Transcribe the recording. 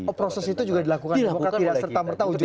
oh proses itu juga dilakukan demokrat tidak serta merta ujur